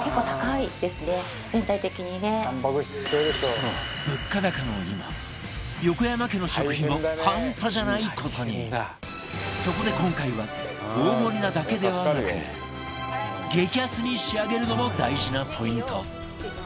そう物価高の今横山家のそこで今回は大盛りなだけではなく激安に仕上げるのも大事なポイント